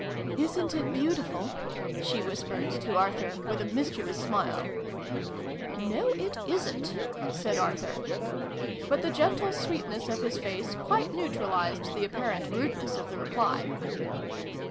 " Isn't it beautiful ?" she whispered, to Arthur, with a mischievous smile. " No, it isn't !" said Arthur. But the gentle sweetness of his face quite neutralised the apparent rudeness of the reply.